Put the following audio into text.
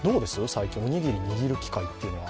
最近おにぎり握る機会というのは。